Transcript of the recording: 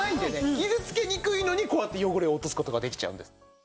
傷つけにくいのにこうやって汚れを落とす事ができちゃうんです。